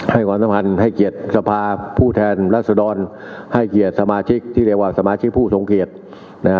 ความสัมพันธ์ให้เกียรติสภาผู้แทนรัศดรให้เกียรติสมาชิกที่เรียกว่าสมาชิกผู้ทรงเกียรตินะฮะ